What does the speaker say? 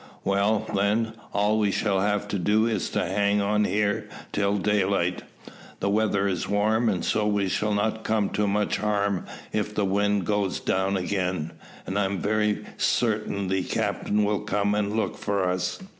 "Well, then, all we shall have to do is to hang on here till daylight. The weather is warm, so we shall not come to much harm if the wind goes down again, and I am very certain the captain will come and look for us."